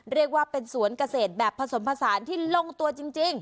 เรียกว่าเป็นสวนเกษตรแบบผสมผสานที่ลงตัวจริง